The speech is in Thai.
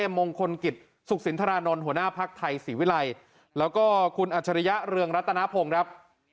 มงคลกิจสุขสินทรานนท์หัวหน้าภักดิ์ไทยศรีวิรัยแล้วก็คุณอัจฉริยะเรืองรัตนพงศ์ครับ